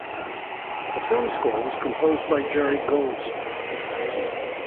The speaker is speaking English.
The film score was composed by Jerry Goldsmith.